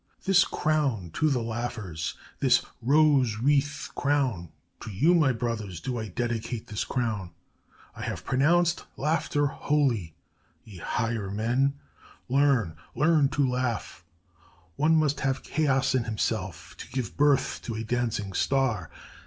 This crown to the laughers, this rose wreath crown: to you, my brothers, do I dedicate this crown! I have pronounced Laughter holy; ye Higher Men, learn to laugh!... One must have Chaos in himself, to give birth to a dancing star....'